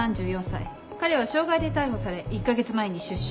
彼は傷害で逮捕され１カ月前に出所。